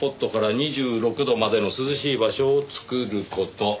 ２６度までの涼しい場所を作る事」。